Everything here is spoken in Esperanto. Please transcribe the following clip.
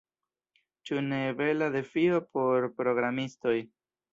Ĉu ne bela defio por programistoj?